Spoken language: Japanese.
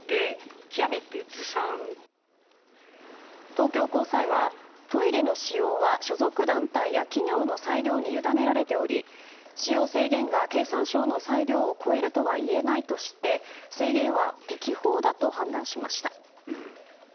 東京高裁はトイレの使用は所属団体や企業の裁量にゆだねられており使用制限が経産省の裁量を超えるとは言えないとして制限は適法だと判断しました。